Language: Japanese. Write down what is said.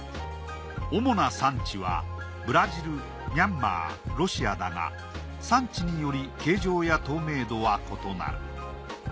主な産地はブラジルミャンマーロシアだが産地により形状や透明度は異なる。